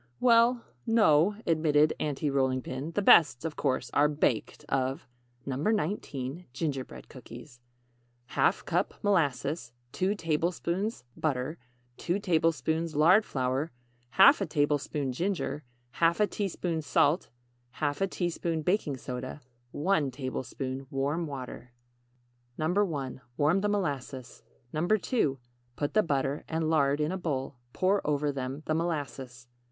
"Well, no," admitted Aunty Rolling Pin, "the best, of course, are baked of NO. 19. GINGERBREAD COOKIES. ½ cup molasses 2 tablespoons butter 2 tablespoons lard flour ½ tablespoon ginger ½ teaspoon salt ½ teaspoon baking soda 1 tablespoon warm water 1. Warm the molasses. 2. Put the butter and lard in a bowl. Pour over them the molasses.